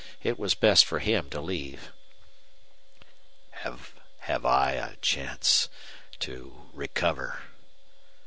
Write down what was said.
It was best for him to leave." "Have I a chance to recover?"